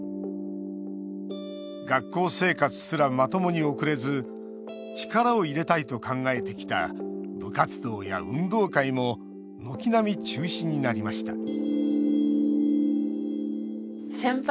学校生活すらまともに送れず力を入れたいと考えてきた部活動や運動会も軒並み中止になりました